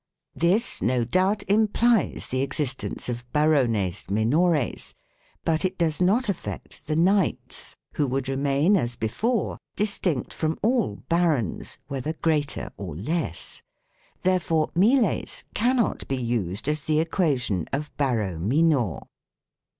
This, no doubt, implies the ex istence of" barones minores/' but it does not affect the " knights," who would remain, as before, distinct from all " barons," whether. " greater " or "less". There fore "miles " cannot be used as the equation of "baro minor